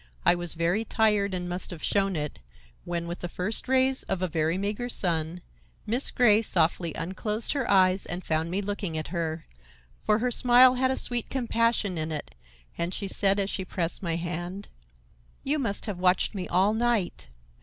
I was very tired and must have shown it, when, with the first rays of a very meager sun, Miss Grey softly unclosed her eyes and found me looking at her, for her smile had a sweet compassion in it, and she said as she pressed my hand: "You must have watched me all night.